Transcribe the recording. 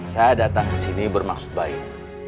saya datang kesini bermaksud baik